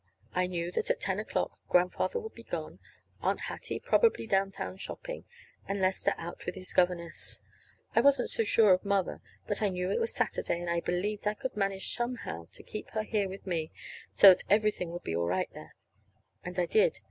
I knew that at ten o'clock Grandfather would be gone, Aunt Hattie probably downtown shopping, and Lester out with his governess. I wasn't so sure of Mother, but I knew it was Saturday, and I believed I could manage somehow to keep her here with me, so that everything would be all right there. And I did.